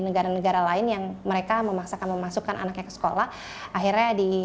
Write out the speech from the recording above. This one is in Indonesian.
negara negara lain yang mereka memaksakan memasukkan anaknya ke sekolah akhirnya di